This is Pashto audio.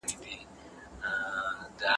انا خپل دویم رکعت په پوره اخلاص سره خلاص کړ.